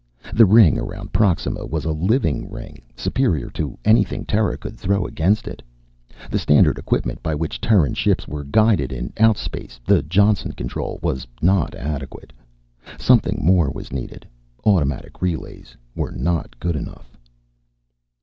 The ring around Proxima was a living ring, superior to anything Terra could throw against it. The standard equipment by which Terran ships were guided in outspace, the Johnson Control, was not adequate. Something more was needed. Automatic relays were not good enough.